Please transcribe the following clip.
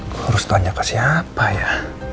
gue harus tanya ke siapa ya